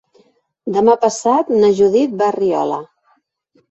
Demà passat na Judit va a Riola.